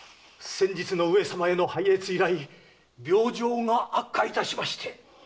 先日の上様への拝謁以来病状が悪化いたしまして。